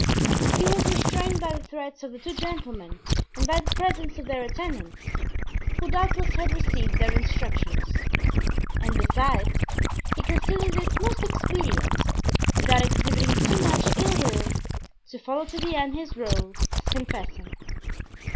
He was restrained by the threats of the two gentlemen and by the presence of their attendants, who doubtless had received their instructions. And besides, he considered it most expedient, without exhibiting too much ill will, to follow to the end his role as confessor.